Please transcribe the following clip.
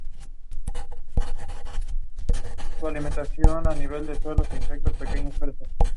Al mes de nacida se traslada con su madre a Costa Rica.